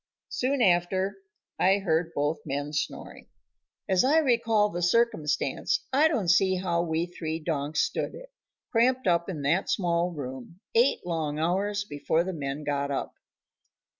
Soon after I heard both men snoring. As I recall the circumstance, I don't see how we three donks stood it, cramped up in that small room, eight long hours before the men got up.